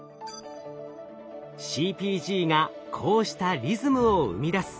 ＣＰＧがこうしたリズムを生み出す。